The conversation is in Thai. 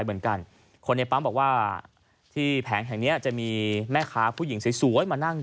สมุดแล้วบ้านคืแรงจนไม่ได้อาศักดิกัน